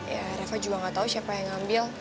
ya reva juga gak tau siapa yang ngambil